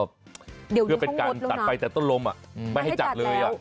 เพื่อเป็นการตัดไฟแต่ต้นลมไม่ให้จัดเลย